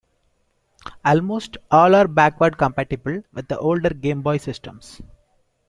Almost all are backward compatible with older Game Boy systems.